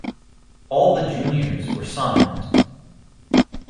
All the juniors were summoned.